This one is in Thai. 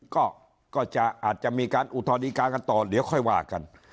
ก็อาจจะมีการอุทธรณิกากันต่อเดี๋ยวค่อยว่ากัน